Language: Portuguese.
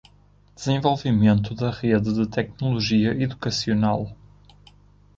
Desenvolvimento da Rede de Tecnologia Educacional.